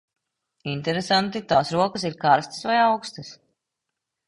Interesanti, tās rokas ir karstas vai aukstas?